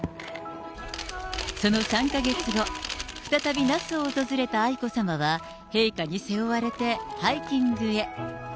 その３か月後、再び那須を訪れた愛子さまは、陛下に背負われてハイキングへ。